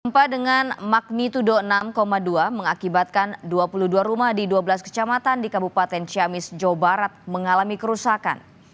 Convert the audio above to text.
gempa dengan magnitudo enam dua mengakibatkan dua puluh dua rumah di dua belas kecamatan di kabupaten ciamis jawa barat mengalami kerusakan